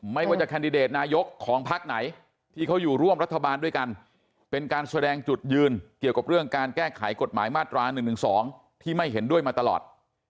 ไม่ว่าจะเข้าร่วมรัฐบาลด้วยกันเป็นการแสดงจุดยืนกฏหมายกฏหมายมาตรา๑๑๒ที่ไม่เห็นด้วยมาตลอด